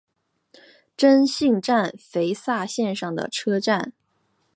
真幸站肥萨线上的车站。